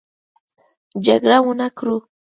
جګړه ونه کړو.